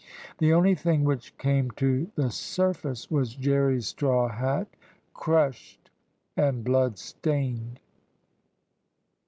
The only thing which came to the surface was Jerry's straw hat crushed and blood stained.